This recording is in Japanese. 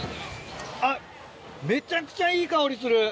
あっめちゃくちゃいい香りする！